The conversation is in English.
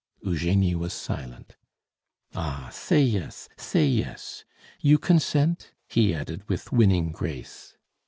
Eugenie was silent. "Ah, yes, say yes! You consent?" he added with winning grace.